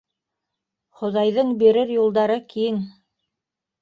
Хоҙайҙың бирер юлдары киң.